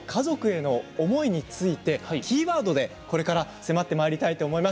悠人への家族への思いについてキーワードでこれから迫っていきたいと思います。